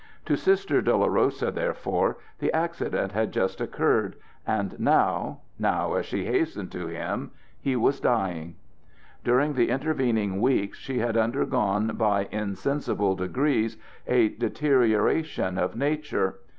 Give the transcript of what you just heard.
To Sister Dolorosa, therefore, the accident had just occurred, and now now as she hastened to him he was dying. During the intervening weeks she had undergone by insensible degrees a deterioration of nature.